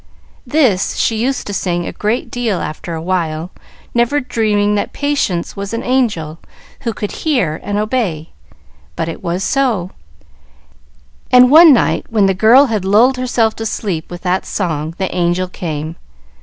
"This she used to sing a great deal after a while, never dreaming that Patience was an angel who could hear and obey. But it was so; and one night, when the girl had lulled herself to sleep with that song, the angel came.